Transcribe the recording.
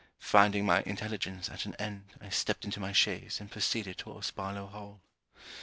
Finding my intelligence at an end, I stepped into my chaise and proceeded towards Barlowe Hall.